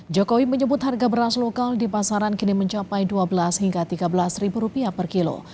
jokowi menyebut harga beras lokal di pasaran kini mencapai rp dua belas hingga tiga belas per kilo